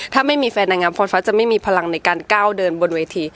ถ้าไม่มีแฟนนางงามพรฟ้าจะไม่มีพลังในการก้าวเดินบนเวที